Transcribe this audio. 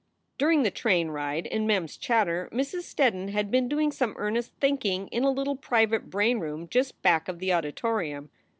During the train ride and Mem s chatter Mrs. Steddon had been doing some earnest thinking in a little private brain room just back of the auditorium.